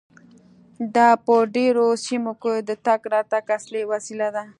دا په ډیرو سیمو کې د تګ راتګ اصلي وسیله ده